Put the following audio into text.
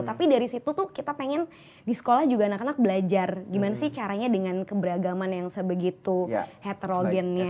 tapi dari situ tuh kita pengen di sekolah juga anak anak belajar gimana sih caranya dengan keberagaman yang sebegitu heterogennya